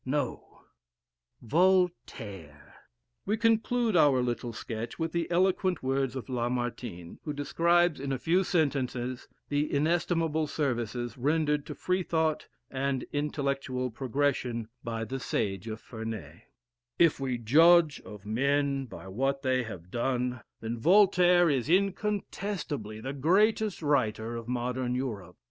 No Voltaire." We conclude our sketch with the eloquent words of Lamartine, who describes, in a few sentences, the inestimable services rendered to Freethought and intellectual progression by the Sage of Ferney: "If we judge of men by what they have done, then Voltaire is incontestably the greatest writer of modern Europe.